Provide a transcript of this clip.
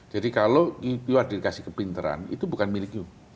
jadi kalau you ada dikasih kepinteran itu bukan milik you